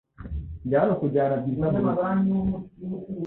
Ndi hano kujyana Bwiza murugo .